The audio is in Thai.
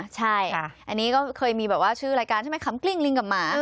ใช่อันนี้ก็เคยมีแบบว่าชื่อรายการใช่ไหมขำกลิ้งลิงกับหมา